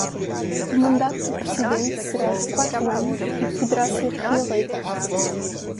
O mandato do presidente será de quatro anos e poderá ser reeleito.